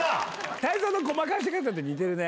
泰造のごまかし方と似てるね。